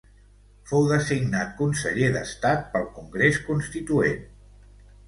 Fou designat conseller d'Estat pel Congrés Constituent.